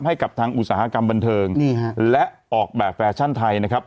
ให้กับทางอุตสาหกรรมบันเทิงนี่ฮะและออกแบบแฟชั่นไทยนะครับ